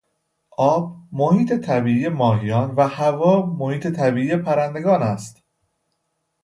آب محیط طبیعی ماهیان و هوا محیط طبیعی پرندگان است.